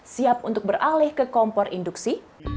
siap untuk beralih ke kompor induksi